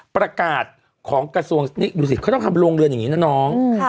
ประกาศของกระทรวงเขาต้องทำโรงเรือนอย่างนี้นะน้อง